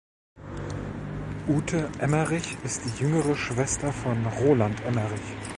Ute Emmerich ist die jüngere Schwester von Roland Emmerich.